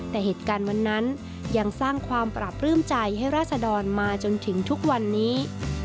แต่เหตุการณ์วันนั้นยังสร้างความปราบปลื้มใจให้ราศดรมาจนถึงทุกวันนี้